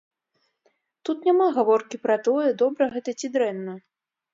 Тут няма гаворкі пра тое, добра гэта ці дрэнна.